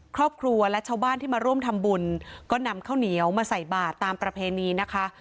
ครอบครัวและชาวบ้านที่มาร่วมทำบุญก็นำข้าวเหนียวมาใส่บาทตามประเพณีนะคะ